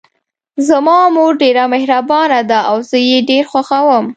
زما مور ډیره مهربانه ده او زه یې ډېر خوښوم